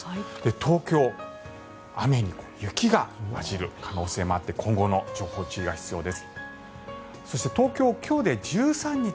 東京雨に雪が交じる可能性もあって今後の情報、注意が必要です。